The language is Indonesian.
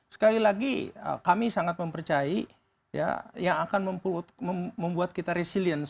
sekali lagi kami sangat mempercaya yang akan membuat kita resilience